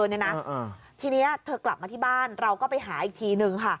ทีนี้เธอกลับมาที่บ้านเราก็ไปหาอีกทีนึงค่ะ